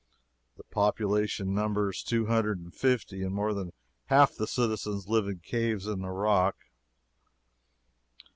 The population numbers two hundred and fifty, and more than half the citizens live in caves in the rock.